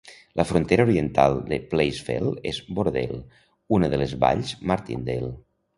La frontera oriental de Place Fell és Boredale, una de les valls Martindale.